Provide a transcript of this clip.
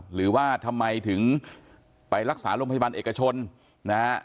หรือว่าทำไมถึงไปรักษาโรงพยาบาลเอกชนนะฮะ